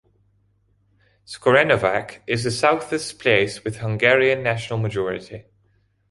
Skorenovac is the southest place with Hungarian national majority.